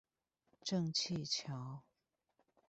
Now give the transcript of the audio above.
正氣橋